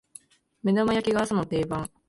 目玉焼きが朝の定番